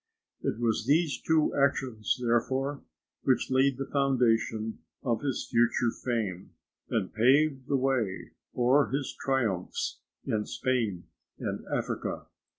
It was these two actions, therefore, which laid the foundation of his future fame and paved the way for his triumphs in Spain and Africa.